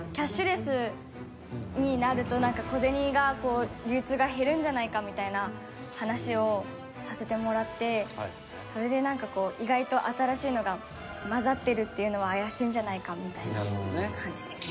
なんか小銭がこう流通が減るんじゃないかみたいな話をさせてもらってそれでなんかこう意外と新しいのが混ざってるっていうのは怪しいんじゃないかみたいな感じです。